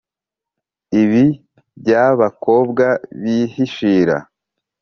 Ibi byabakobwa bihishira